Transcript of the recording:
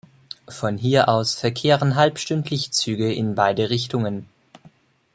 Von hier aus verkehren halbstündlich Züge in beide Richtungen.